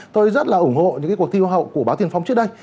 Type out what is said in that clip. tôi rất là ủng hộ những cái cuộc thi hậu của báo tiền phóng trước đây